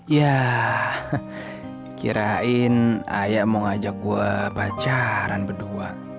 ya kirain ayah mau ngajak gue pacaran berdua